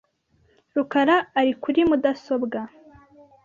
rukara ari kuri mudasobwa .